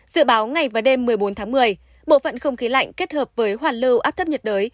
dự báo ngày và đêm một mươi bốn tháng một mươi bộ phận không khí lạnh kết hợp với hoàn lưu áp thấp nhiệt đới